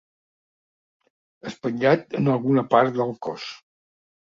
Espatllat en alguna part del cos.